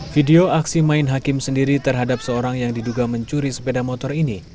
video aksi main hakim sendiri terhadap seorang yang diduga mencuri sepeda motor ini